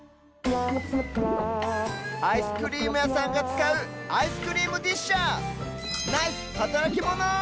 アイスクリームやさんがつかうアイスクリームディッシャーナイスはたらきモノ！